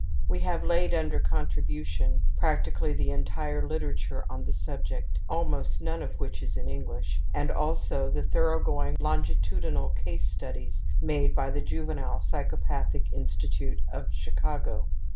We have laid under contribution practically the entire literature on the subject, almost none of which is in English, and also the thorough going longitudinal case studies made by the Juvenile Psychopathic Institute of Chicago.